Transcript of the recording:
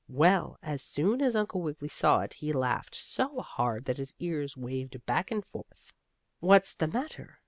Well, as soon as Uncle Wiggily saw it he laughed so hard that his ears waved back and forth. "What's the matter?